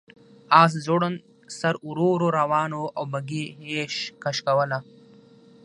آس ځوړند سر ورو ورو روان و او بګۍ یې کش کوله.